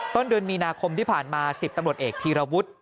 ต้นเดือนมีนาคมที่ผ่านมา๑๐ตำรวจเอกธีรวุฒิ